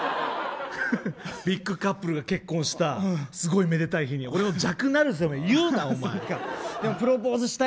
ビッグカップルが結婚したすごいめでたい日に俺の弱なれそめプロポーズしたい。